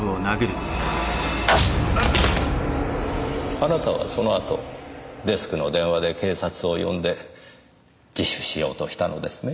あなたはその後デスクの電話で警察を呼んで自首しようとしたのですね？